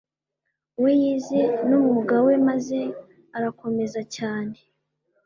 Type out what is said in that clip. we yize n umwuga we mze arakomeye cyane